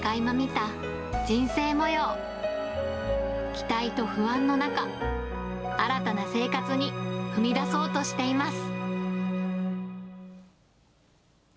期待と不安の中、新たな生活に踏み出そうとしています。